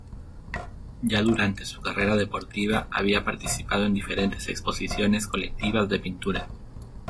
Ya durante su carrera deportiva había participado en diferentes exposiciones colectivas de pintura.